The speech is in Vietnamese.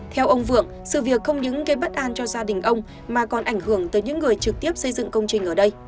theo ông vượng sự việc không những gây bất an cho gia đình ông mà còn ảnh hưởng tới những người trực tiếp xây dựng công trình ở đây